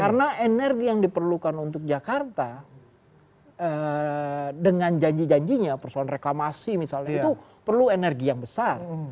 karena energi yang diperlukan untuk jakarta dengan janji janjinya persoalan reklamasi misalnya itu perlu energi yang besar